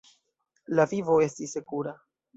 La vivo estis sekura.